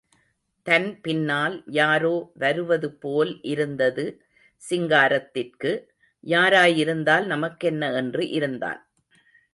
தன் பின்னால் யாரோ வருவது போல் இருந்தது சிங்காரத்திற்கு, யாராயிருந்தால் நமக்கென்ன என்று இருந்தான்.